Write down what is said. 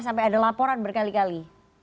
sampai ada laporan berkali kali